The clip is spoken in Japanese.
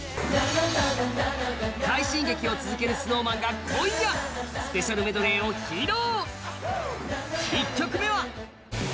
快進撃を続けるＳｎｏｗＭａｎが今夜スペシャルメドレーを披露！